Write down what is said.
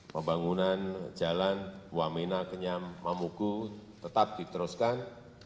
pembangunan jalan wamena kenyam mamuku tetap diteruskan